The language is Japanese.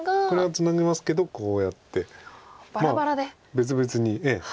別々にええ。